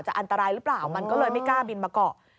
อันตรายหรือเปล่ามันก็เลยไม่กล้าบินมาเกาะ